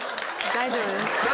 大丈夫です。